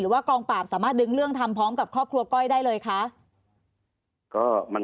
ว่ากองปราบสามารถดึงเรื่องทำพร้อมกับครอบครัวก้อยได้เลยคะ